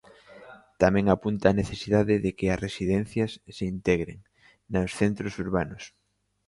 Tamén apunta a necesidade de que as residencias se integren nos centros urbanos.